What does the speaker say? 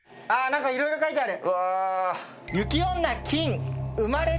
何かいろいろ書いてある。